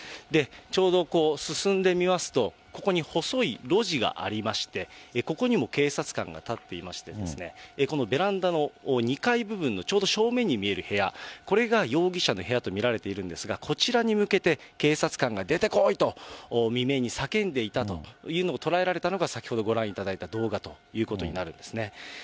ちょうど進んでみますと、ここに細い路地がありまして、ここにも警察官が立っていましてですね、このベランダの２階部分のちょうど正面に見える部屋、これが容疑者の部屋と見られているんですが、こちらに向けて、警察官が、出てこい！と未明に叫んでいたというのが捉えられたのが、先ほどご覧いただいた動画ということになるんですね。